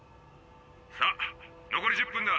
さあ残り１０分だ。